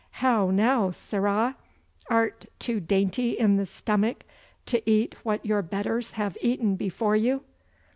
How now, sirrah, art too dainty in the stomach to eat what your betters have eaten before you?